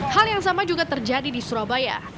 hal yang sama juga terjadi di surabaya